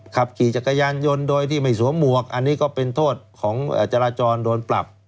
ขับขี่จักรยานยนต์โดยที่ไม่สวมหมวกอันนี้ก็เป็นโทษของจราจรโดนปรับ